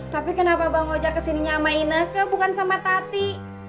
tapi kenapa bang oja kesininya sama ineke bukan sama tati